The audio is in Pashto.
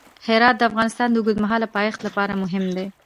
هرات د افغانستان د اوږدمهاله پایښت لپاره مهم دی.